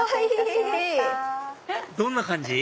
どんな感じ？